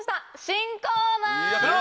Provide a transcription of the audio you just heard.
新コーナー！